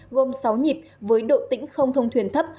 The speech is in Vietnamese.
gồm sáu nhịp với độ tĩnh không thông thuyền thấp